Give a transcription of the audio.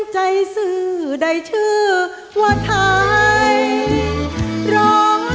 การรับเวลานี้ที่ประกอบกันสำหรับพ่อความสุข